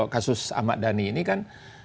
kasus ahmad dhani ini kan